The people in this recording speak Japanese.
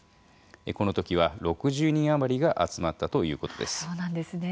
この時は６０人余りが集まったということです。